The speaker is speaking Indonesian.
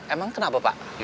emang kenal apa pak